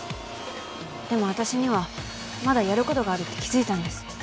でもわたしにはまだやることがあるって気付いたんです。